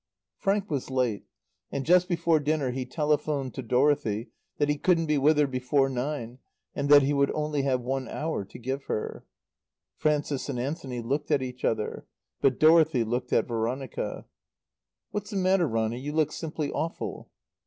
Frank was late. And just before dinner he telephoned to Dorothy that he couldn't be with her before nine and that he would only have one hour to give her. Frances and Anthony looked at each other. But Dorothy looked at Veronica. "What's the matter, Ronny? You look simply awful."